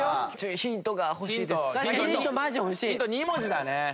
ヒント２文字だね。